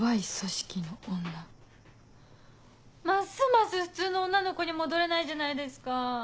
ますます普通の女の子に戻れないじゃないですか。